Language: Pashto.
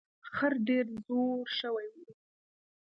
خر ډیر زوړ شوی و.